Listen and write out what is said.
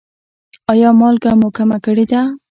ایا مالګه مو کمه کړې ده؟